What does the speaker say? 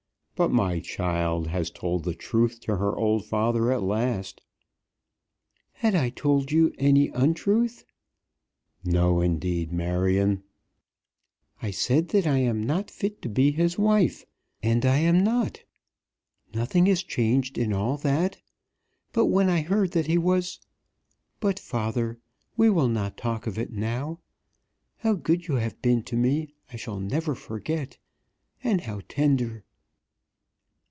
"But my child has told the truth to her old father at last." "Had I told you any untruth?" "No, indeed, Marion." "I said that I am not fit to be his wife, and I am not. Nothing is changed in all that. But when I heard that he was . But, father, we will not talk of it now. How good you have been to me, I shall never forget, and how tender!"